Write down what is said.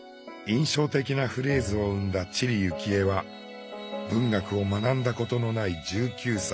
印象的なフレーズを生んだ知里幸恵は文学を学んだことのない１９歳。